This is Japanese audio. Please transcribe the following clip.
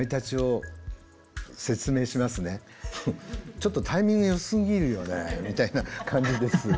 ちょっとタイミングよすぎるよねみたいな感じです。